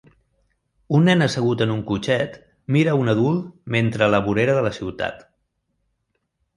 Un nen assegut en un cotxet mira a un adult mentre a la vorera de la ciutat.